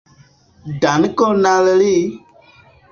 Dankon al li!